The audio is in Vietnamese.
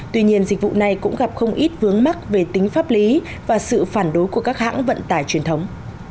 tuy nhiên dịch vụ này cũng gặp không ít vướng mắt về tính pháp lý và sự phản đối của các hãng vận tải truyền thống